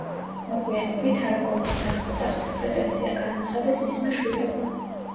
მოგვიანებით არაგონის სამეფო ტახტზე პრეტენზია განაცხადეს მისმა შვილებმა.